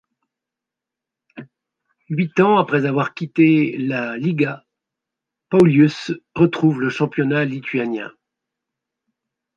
Huit ans après avoir quitté l'A Lyga, Paulius retrouve le championnat lituanien.